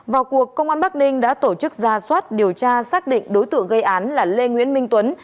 vào cuộc công an bắc ninh đã tổ chức ra soát điều tra xác định đối tượng gây án là lê nguyễn minh tuấn